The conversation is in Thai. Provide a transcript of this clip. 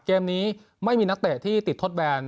เกมนี้ไม่มีนักเตะที่ติดทดแบน